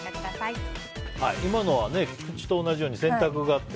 今のは菊地と同じように洗濯が。